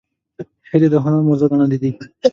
هیلۍ د هنر موضوع ګڼل کېږي